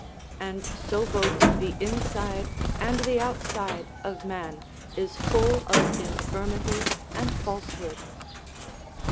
And so both the inside and the outside of man is full of infirmity and falsehood.